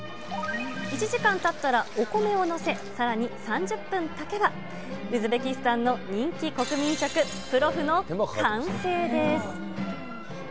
１時間たったら、お米を載せ、さらに３０分炊けば、ウズベキスタンの人気国民食、プロフの完成です。